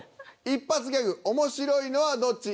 一発ギャグ面白いのはどっち？